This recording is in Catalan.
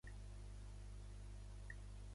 Va rebre crítiques diverses a positives dels crítics.